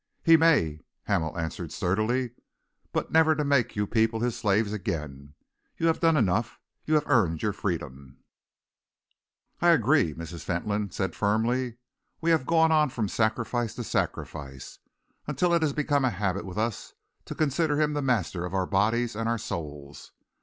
"He may," Hamel answered sturdily, "but never to make you people his slaves again. You have done enough. You have earned your freedom." "I agree," Mrs. Fentolin said firmly. "We have gone on from sacrifice to sacrifice, until it has become a habit with us to consider him the master of our bodies and our souls.